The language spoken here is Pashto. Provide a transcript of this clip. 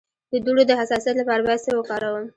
د دوړو د حساسیت لپاره باید څه وکاروم؟